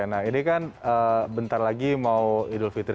nah ini kan bentar lagi mau idul fitri